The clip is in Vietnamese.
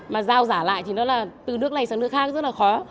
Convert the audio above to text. mà giao giả lại thì nó là từ nước này sang nước khác rất là khó